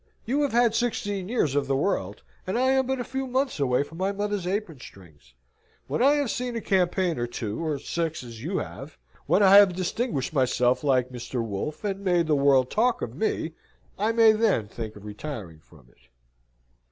You have had sixteen years of the world: and I am but a few months away from my mother's apron strings. When I have seen a campaign or two, or six, as you have: when I have distinguished myself like Mr. Wolfe, and made the world talk of me, I then may think of retiring from it."